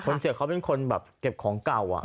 คนเจ็บเขาเป็นคนแบบเก็บของเก่า